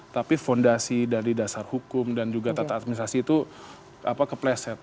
tapi fondasi dari dasar hukum dan juga tata administrasi itu kepleset